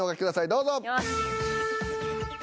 どうぞ。